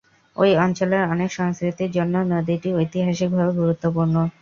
ঐ অঞ্চলের অনেক সংস্কৃতির জন্য নদীটি ঐতিহাসিকভাবে গুরুত্বপূর্ণ।